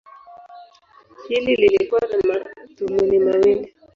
Hili lilikuwa na madhumuni mawili.